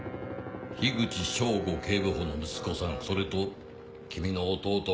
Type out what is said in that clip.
口彰吾警部補の息子さんそれと君の弟